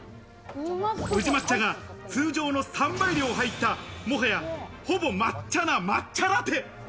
宇治抹茶が通常の３倍量入ったもはや、ほぼ抹茶な抹茶ラテ。